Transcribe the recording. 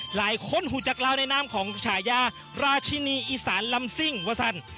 หลายคนหูจักราวในนามของของชายาราชินีอีสานลำซิ่งวัฒน